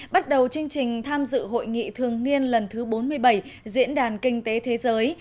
bắt đầu chương trình tham dự hội nghị thường niên lần thứ bốn mươi bảy diễn đàn kinh tế thế giới